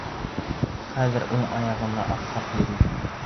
Хәҙер уң аяғына аҡһап йөрөй.